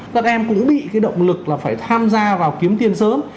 các em cũng bị cái động lực là phải tham gia vào kiếm tiền sớm